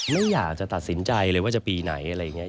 ไม่อยากจะตัดสินใจเลยว่าจะปีไหนอะไรอย่างนี้